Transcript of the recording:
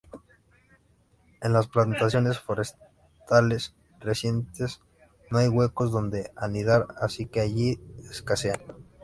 En las plantaciones forestales recientes no hay huecos donde anidar, así que allí escasean.